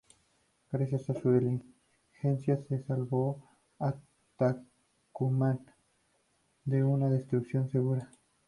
Gracias a su diligencia, se salvó a Tucumán de una destrucción segura.